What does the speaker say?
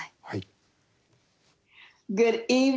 はい。